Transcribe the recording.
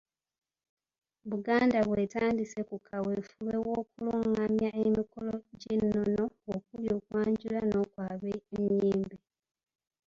Buganda bw’etandise ku kaweefube w’okulungamya emikolo gy’ennono okuli okwanjula n’okwabya ennyimbe.